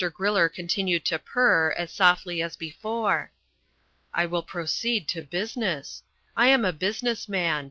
Griller continued to purr, as softly as before. "I will proceed to business. I am a business man.